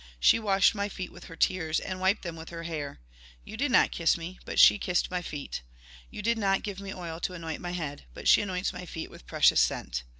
She washed my feet with her tears, and wiped them with her hair. You did not kiss me, but she kissed my feet. You did not give me oil to anoint my head, but she anoints my feet with precious scent.